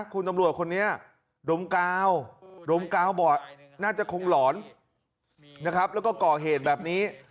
คุณตำรวจคนนี้ดมกาวดมกาวบอกน่าจะคงหลอนนะครับแล้วก็ก่อเหตุแบบนี้